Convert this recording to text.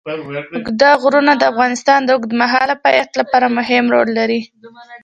اوږده غرونه د افغانستان د اوږدمهاله پایښت لپاره مهم رول لري.